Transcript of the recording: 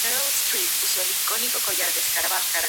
Debido a ello, abandonó su puesto en la Diputación Provincial.